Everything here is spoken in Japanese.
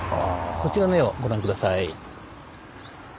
こちらの絵をご覧下さい。